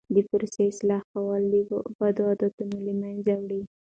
د پروسې اصلاح کول بد عادتونه له منځه وړي.